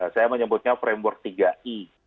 saya menyebutnya framework tiga i